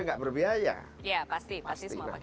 tidak berbiaya pasti